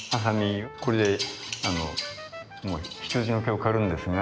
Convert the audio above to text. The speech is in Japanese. これであの羊の毛を刈るんですが。